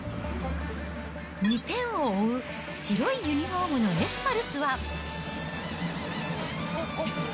２点を追う白いユニホームのエスパルスは。